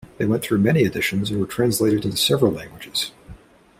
They went through many editions and were translated into several languages.